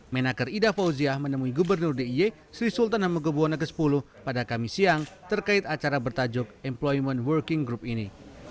menakar ida fauzia menemui gubernur dia sri sultan hamengku buwono x pada kamis siang terkait acara bertajuk employment working group ini